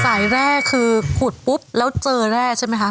สายแรกคือขุดปุ๊บแล้วเจอแร่ใช่ไหมคะ